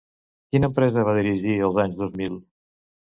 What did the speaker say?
Quina empresa va dirigir als anys dos mil?